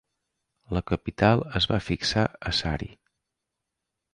La capital es va fixar a Sari.